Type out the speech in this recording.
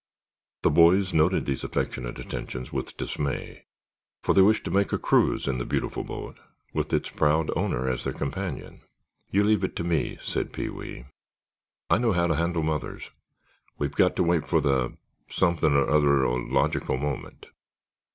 The boys noted these affectionate attentions with dismay, for they wished to make a cruise in the beautiful boat, with its proud owner as their companion. "You leave it to me," said Pee wee. "I know how to handle mothers; we've got to wait for the something or otherological moment."